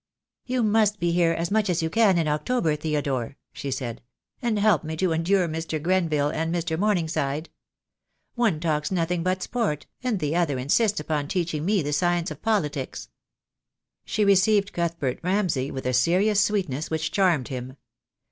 "You must be here as much as you can in October, Theodore," she said, "and help me to endure Mr. Gren ville and Mr. Morningside. One talks nothing but sport, and the other insists upon teaching me the science of politics." She received Cuthbert Ramsay with a serious sweet ness which charmed him.